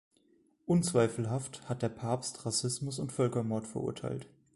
Unzweifelhaft hat der Papst Rassismus und Völkermord verurteilt.